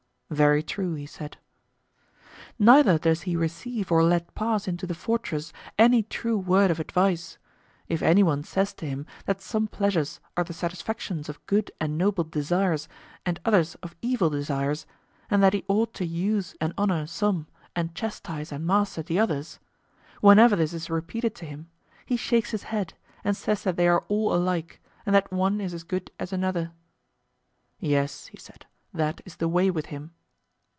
Very true, he said. Neither does he receive or let pass into the fortress any true word of advice; if any one says to him that some pleasures are the satisfactions of good and noble desires, and others of evil desires, and that he ought to use and honour some and chastise and master the others—whenever this is repeated to him he shakes his head and says that they are all alike, and that one is as good as another. Yes, he said; that is the way with him.